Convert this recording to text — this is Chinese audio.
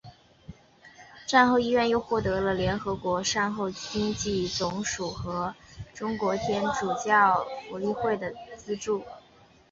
战后医院又获得了联合国善后救济总署和中国天主教福利会的资助。